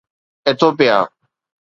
Ethiopia